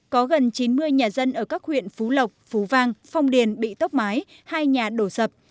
có gần chín mươi nhà dân ở các huyện phú lộc phú vang phong điền bị tốc mái hai nhà đổ sập